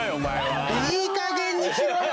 いいかげんにしろよ